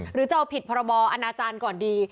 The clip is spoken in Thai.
หรือจะเอาผิดพรบอนาจารย์ก่อนดี